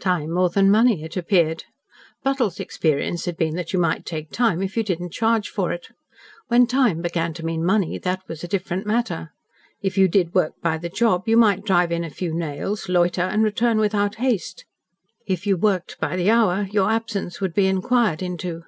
Time more than money, it appeared. Buttle's experience had been that you might take time, if you did not charge for it. When time began to mean money, that was a different matter. If you did work by the job, you might drive in a few nails, loiter, and return without haste; if you worked by the hour, your absence would be inquired into.